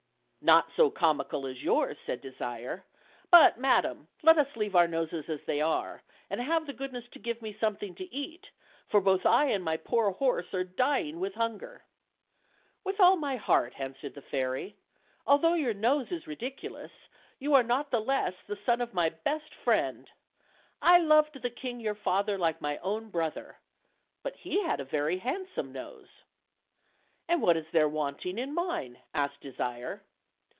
"Not so comical as yours," said Desire; "but, madam, let us leave our noses as they are, and have the goodness to give me something to eat, for both I and my poor horse are dying with hunger." "With all my heart," answered the fairy. "Although your nose is ridiculous, YOU are not the less the son of 280 OLD, OLD FAIRY TALES. my best friend. I loved the king your father like my own brother; but he had a very handsome nose." "And what is there wanting in mine?" asked Desire.